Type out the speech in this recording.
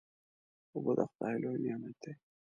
اوبه د خدای لوی نعمت دی.